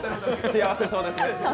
幸せそうですね。